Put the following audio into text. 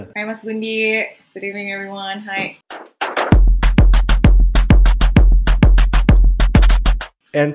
hai mas gundi selamat pagi semuanya